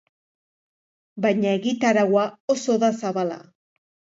Baina egitaraua oso da zabala.